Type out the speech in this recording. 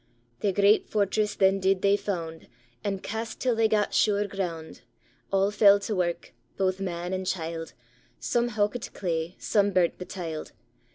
] Their great fortress then did they found, And cast till they gat sure ground. All fell to work, both man and child, Some howkit clay, some burnt the tyld.